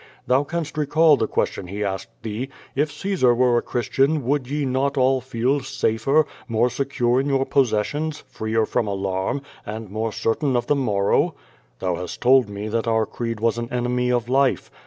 Thou canst recall the question he askeJ thoe: "If Caesar were a Christian, would ye not all feel safer, more secure in your possessions, freer from alarm, and more certain of the morrow ?'' Thou hast told me that our creed was an enemy of life.